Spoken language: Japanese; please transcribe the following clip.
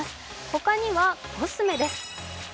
他にはコスメです。